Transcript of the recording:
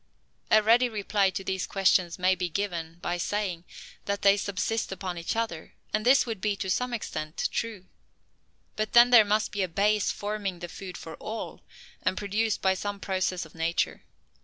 A ready reply to these questions may be given, by saying, that they subsist upon each other; and this would be, to some extent, true. But then there must be a base forming the food for all, and produced by some process of nature.